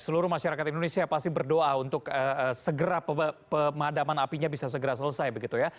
seluruh masyarakat indonesia pasti berdoa untuk segera pemadaman apinya bisa segera selesai begitu ya